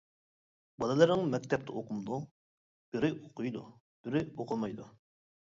-بالىلىرىڭ مەكتەپتە ئوقۇمدۇ؟ -بىرى ئوقۇيدۇ، بىرى ئوقۇمايدۇ.